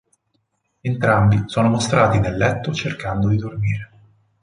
Entrambi sono mostrati nel letto cercando di dormire.